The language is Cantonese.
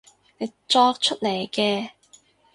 你作出嚟嘅